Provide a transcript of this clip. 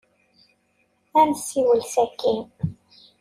Ad nessiwel sakkin.